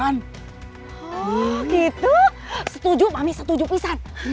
oh gitu setuju mami setuju pisan